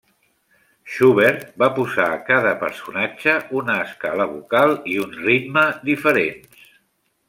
Schubert va posar a cada personatge una escala vocal i un ritme diferents.